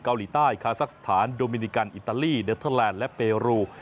เกาหลีใต้คาซักสถานโดมินิกันอิตาลีเนอร์เทอร์แลนด์และเปรู